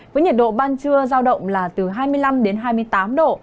với nhiệt độ ban trưa giao động là từ hai mươi năm đến hai mươi tám độ